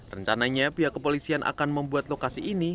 rencananya pihak kepolisian akan membuat lokasi ini